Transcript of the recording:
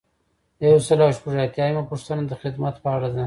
یو سل او شپږ اتیایمه پوښتنه د خدمت په اړه ده.